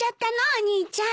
お兄ちゃん。